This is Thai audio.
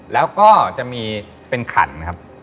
แล้วก็จะมีเป็นขันครับ